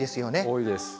多いです。